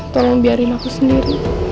tolong biarin aku sendiri